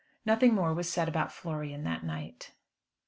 Nothing more was said about Florian that night.